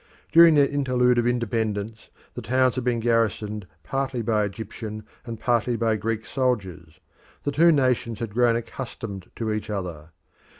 During their interlude of independence the towns had been garrisoned partly by Egyptian and partly by Greek soldiers: the two nations had grown accustomed to each other.